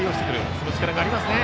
その力がありますね。